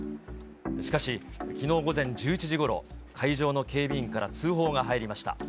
しかし、きのう午前１１時ごろ、会場の警備員から通報が入りました。